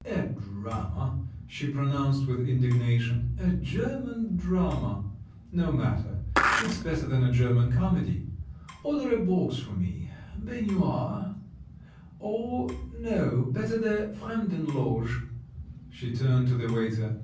"A drama!" she pronounced with indignation, "a German drama. No matter; it's better than a German comedy. Order a box for me—baignoire—or no … better the Fremden Loge," she turned to the waiter.